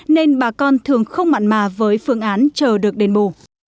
nên bà con thường không mặn mà với phương án chờ được đền bù